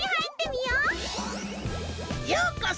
ようこそ！